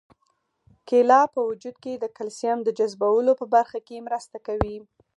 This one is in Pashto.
کیله په وجود کې د کلسیم د جذبولو په برخه کې مرسته کوي.